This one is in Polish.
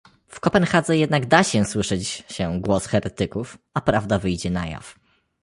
W Kopenhadze jednak da się słyszeć się głos heretyków, a prawda wyjdzie na jaw